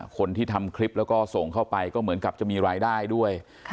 คนที่ทำคลิปแล้วก็ส่งเข้าไปก็เหมือนกับจะมีรายได้ด้วย